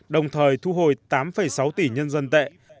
đồng thời thu hồi tám sáu tỷ nhân dân tệ